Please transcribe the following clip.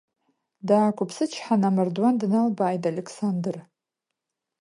Даақәыԥсычҳаны амардуан дналбааит Алеқсандр.